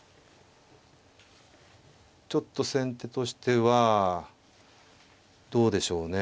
ちょっと先手としてはどうでしょうね。